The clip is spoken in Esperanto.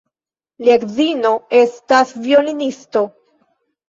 Lia edzino estas violonisto.